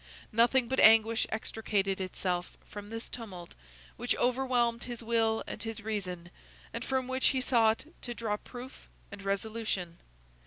Nothing but anguish extricated itself from this tumult which overwhelmed his will and his reason, and from which he sought to draw proof and resolution.